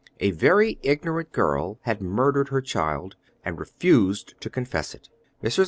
A very ignorant girl had murdered her child, and refused to confess it. Mrs.